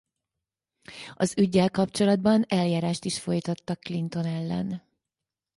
Az üggyel kapcsolatban eljárást is folytattak Clinton ellen.